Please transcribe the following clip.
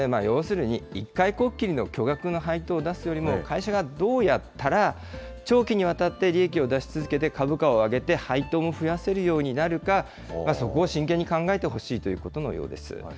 要するに一回こっきりの巨額の配当を出すよりも、会社がどうやったら、長期にわたって利益を出し続けて株価を上げて配当も増やせるようになるか、そこを真剣に考えてほしいということのようです。